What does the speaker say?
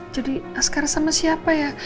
jadi askara sama siapa ya